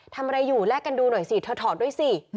ทำอะไรอยู่แลกกันดูหน่อยสิเธอถอดด้วยสิ